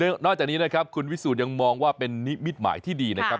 นอกจากนี้นะครับคุณวิสูจนยังมองว่าเป็นนิมิตหมายที่ดีนะครับ